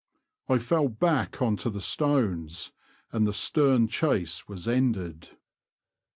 I fell back on to the stones, and the stern chase was ended.